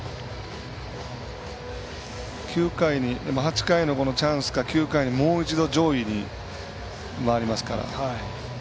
８回のチャンスか、９回にもう一度、上位に回りますから。